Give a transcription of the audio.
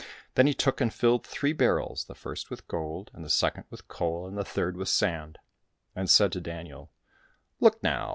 Then he took and filled three barrels, the first with gold, and the second with coal, and the third with sand, and said to Daniel, " Look now